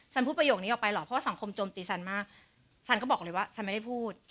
พูดประโยคนี้ออกไปหรอเพราะว่าสังคมโจมตีซันมากซันก็บอกเลยว่าฉันไม่ได้พูด